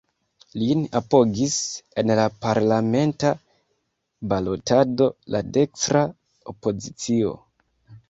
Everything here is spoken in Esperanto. Lin apogis en la parlamenta balotado la dekstra opozicio.